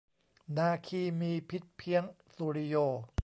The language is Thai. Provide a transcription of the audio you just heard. นาคีมีพิษเพี้ยง สุริโย